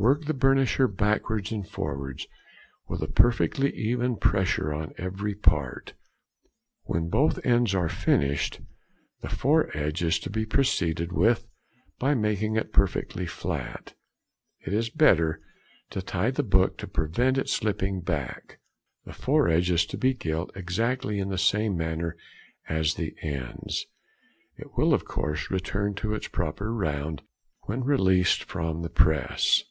Work the burnisher backwards and forwards with a perfectly even pressure on every part. When both ends are finished, the foredge is to be proceeded with, by making it perfectly flat. It is better to tie the book, to prevent it slipping back. The foredge is to be gilt exactly in the same manner as the ends; it will of course return to its proper round when released from the press.